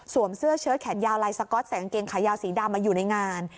เสื้อเชิดแขนยาวลายสก๊อตใส่กางเกงขายาวสีดำมาอยู่ในงาน